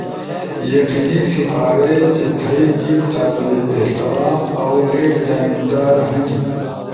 یقینی سپارے چی تھئی جیب قابل احترام اؤ غیر جانب دار ہنی۔